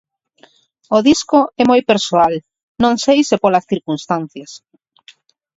O disco é moi persoal, non sei se polas circunstancias.